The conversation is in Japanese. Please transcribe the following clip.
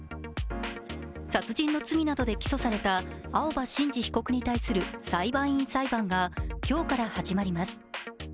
殺人の罪などで起訴された青葉真司被告に対する裁判員裁判が今日から始まります。